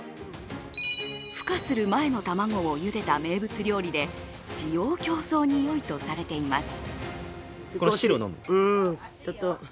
ふ化する前の卵をゆでた名物料理で滋養強壮によいとされています。